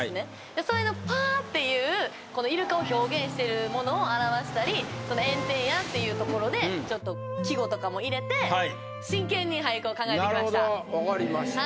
でそれのパァっていうこのイルカを表現してるものを表したりその「炎天や」っていうところでちょっと季語とかも入れて真剣に俳句を考えてきました。